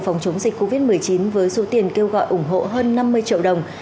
phòng chống dịch covid một mươi chín với số tiền kêu gọi ủng hộ hơn năm mươi triệu đồng